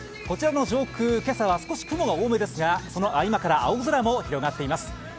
こちらの上空、今朝は少し雲が多めですが、その合間から青空も広がっています。